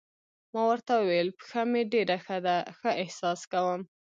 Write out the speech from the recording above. ما ورته وویل: پښه مې ډېره ښه ده، ښه احساس کوم.